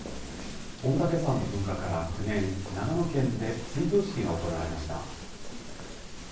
御嶽山の噴火から９年長野県で追悼式が行われました。